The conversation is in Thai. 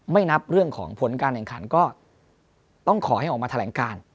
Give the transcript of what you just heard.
นับเรื่องของผลการแข่งขันก็ต้องขอให้ออกมาแถลงการ